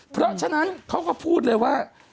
เพราะฉะนั้นเขาก็พูดเลยว่า